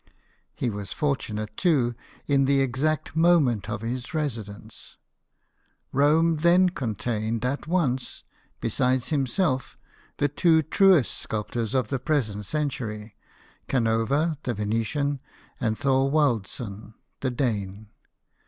He was for tunate, too, in the exact moment of his resi dence : Rome then contained at once, besides himself, the two truest sculptors of the present century, Canova the Venetian, and Thorwaldsen the Dane.